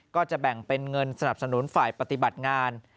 ก็จะแบ่งเป็นเงินสนับสนุนฝ่ายปฏิบัติงาน